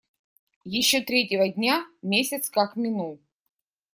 Еще третьего дня месяц как минул.